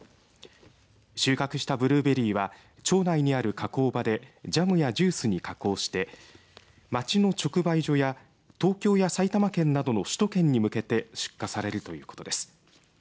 収穫したブルーベリーは町内にある加工場でジャムやジュースに加工して町の直売所や東京や埼玉県などの首都圏に向けて出荷されるということです。